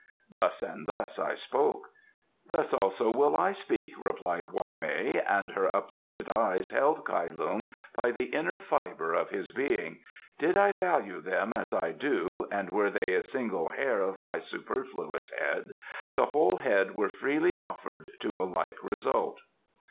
Thus and thus I spoke." "Thus also will I speak," replied Hwa mei, and her uplifted eyes held Kai Lung by the inner fibre of his being. "Did I value them as I do, and were they a single hair of my superfluous head, the whole head were freely offered to a like result."